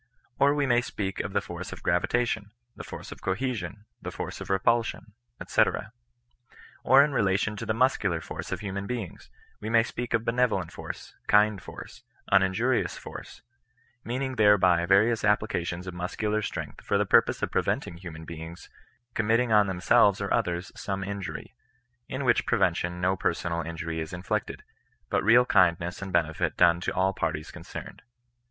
Or we may speak of the force of gravitation, the force of cohesion, the force of repulsion, &c. Or in relation to the muscular force of human beings, we may speak of benevolent force, kind force, uninjurious force ; meaning thereby various applications of muscular strength for the purpose of preventing human beings committing on themselves or others some injury ; in which prevention no personal injury is inflicted, but reaJ kindness and benefit done to all parties concerned.